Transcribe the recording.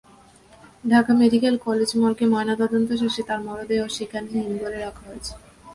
Dhaka medical college মর্গে ময়নাতদন্ত শেষে তাঁর মরদেহ সেখানের হিমঘরে রাখা হয়েছে।